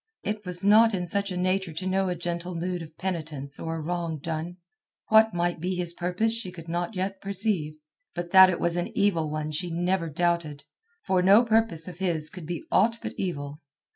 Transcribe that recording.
It was not in such a nature to know a gentle mood of penitence for a wrong done. What might be his purpose she could not yet perceive, but that it was an evil one she never doubted, for no purpose of his could be aught but evil.